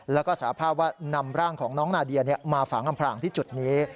แล้วก็สาภาพว่านำร่างของน้องนาเดียมาฝังอำพรางที่จุดนี้